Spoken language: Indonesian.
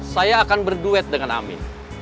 saya akan berduet dengan amin